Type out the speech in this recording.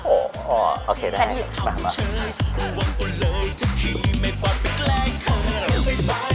โอ้โหโอเคได้มามา